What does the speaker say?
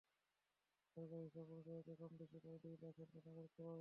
সরকারি হিসাব অনুযায়ী, এতে কমবেশি প্রায় দুই লাখ হিন্দু নাগরিকত্ব পাবেন।